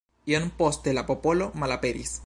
Iom poste la popolo malaperis.